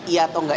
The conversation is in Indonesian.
iya atau nggak